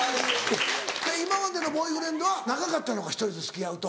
今までのボーイフレンドは長かったのか１人と付き合うと。